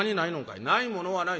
「ないものはない。